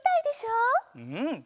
うん。